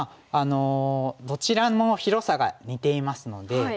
どちらも広さが似ていますので。